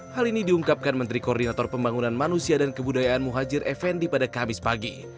hal ini diungkapkan menteri koordinator pembangunan manusia dan kebudayaan muhajir effendi pada kamis pagi